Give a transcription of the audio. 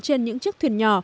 trên những chiếc thuyền nhỏ